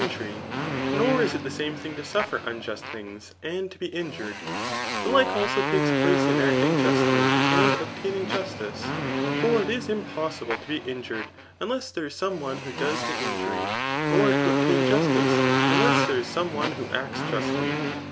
Its injury; nor is it the same thing to suffer unjust things^ and to be injured. The like also takes place in acting justly and obtaining justice. For it is impossible to be injured unless there is some one who does the injury; or to obtain justice, unless there fs some one who aicts justly.